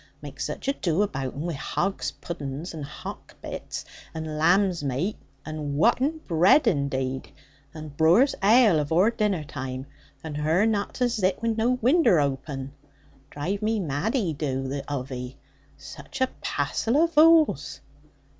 Makk zuch ado about un, wi' hogs' puddens, and hock bits, and lambs' mate, and whaten bradd indade, and brewers' ale avore dinner time, and her not to zit wi' no winder aupen draive me mad 'e doo, the ov'ee, zuch a passel of voouls.